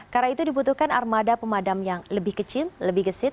karena itu dibutuhkan armada pemadam yang lebih kecil lebih gesit